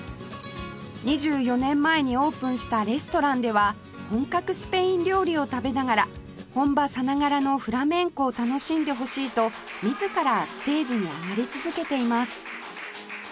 ２４年前にオープンしたレストランでは本格スペイン料理を食べながら本場さながらのフラメンコを楽しんでほしいと自らステージに上がり続けています